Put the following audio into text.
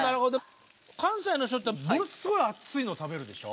関西の人ってものすごい熱いの食べるでしょ？